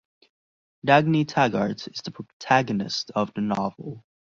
Dagny Taggart is the protagonist of the novel.